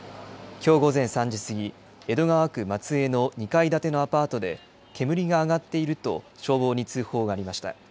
きょう午前３時過ぎ、江戸川区松江の２階建てのアパートで、煙が上がっていると消防に通報がありました。